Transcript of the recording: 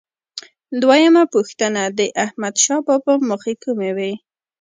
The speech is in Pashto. دویمه پوښتنه: د احمدشاه بابا موخې کومې وې؟